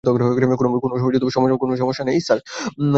কোনো সমস্যা নেই, স্যার।